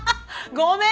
ごめん！